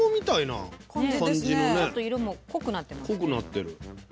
ちょっと色も濃くなってますね。